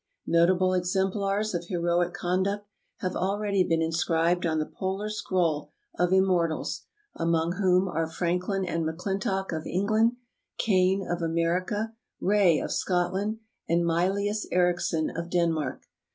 Notable exemplars of heroic conduct have already been inscribed on the polar scroll of immortals, among whom are Franklin and McClintock, of England; Kane, of America; Rae, of Scotland; and Mylius Erichsen, of Denmark.